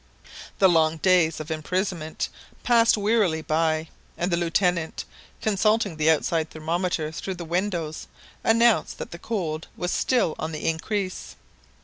The long days of imprisonment passed wearily by, and the Lieutenant, consulting the outside thermometer through the windows, announced that the cold was still on the increase.